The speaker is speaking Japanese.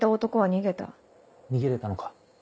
逃げれたのか。